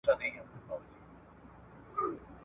ننګیالی به انتظار وي